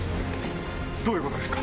どういうことですか？